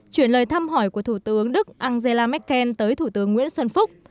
chuyển lời thăm hỏi của thủ tướng đức angela merkel tới thủ tướng nguyễn xuân phúc